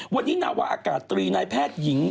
วันนี้นาวาอากาศตรีนายแพทย์หญิง